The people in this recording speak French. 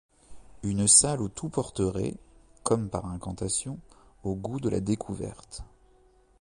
Une salle où tout porterait, comme par incantation, au goût de la découverte.